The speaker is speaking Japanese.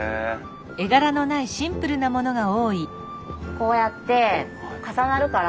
こうやって重なるから。